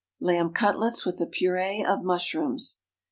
_Lamb Cutlets with a Purée of Mushrooms.